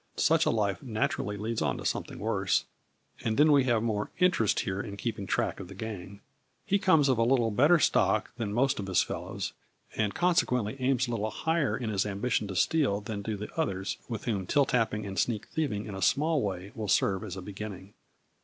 Such a life naturally leads on to something worse, and then we have more interest here in keeping track of the gang. He comes of a little better stock than most of his fellows, and con sequently aims a little higher in his ambition to steal than do the others, with whom till tapping and sneak thieving in a small way will serve as a beginning."